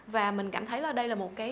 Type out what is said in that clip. và mình cảm thấy là đây là một cái